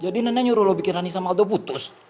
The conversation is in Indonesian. jadi nenek nyuruh lo bikin rania sama aldo putus